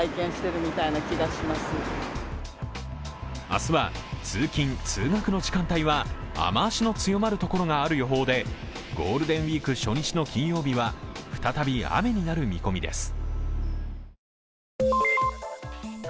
明日は、通勤・通学の時間帯は雨足の強まるところがある予報でゴールデンウイーク初日の金曜日は再び雨になる見込みです。